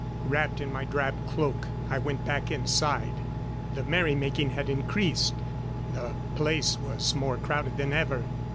Wrapped in my drab cloak, I went back inside. The merry making had increased; the place was more crowded than ever.